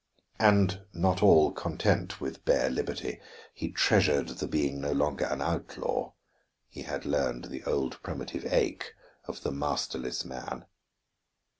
And not all content with bare liberty, he treasured the being no longer an outlaw; he had learned the old primitive ache of the "masterless man."